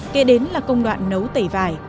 kể đến là công đoạn nấu tẩy vải